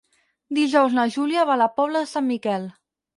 Dijous na Júlia va a la Pobla de Sant Miquel.